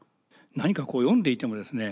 何かこう読んでいてもですね